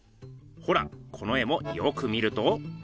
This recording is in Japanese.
ほらこの絵もよく見ると。